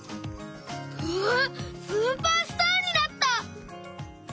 うわっスーパースターになった！